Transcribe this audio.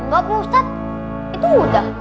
bapak ustadz itu udah